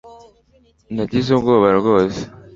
Nagize ubwoba rwose